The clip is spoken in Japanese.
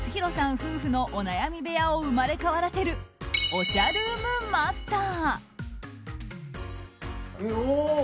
夫婦のお悩み部屋を生まれ変わらせるおしゃルームマスター。